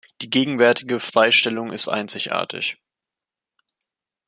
Die gegenwärtige Freistellung ist einzigartig.